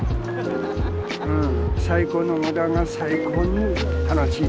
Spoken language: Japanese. うん。